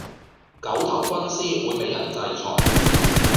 狗頭軍師會比人制裁